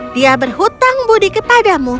dia berhutang budi kepadamu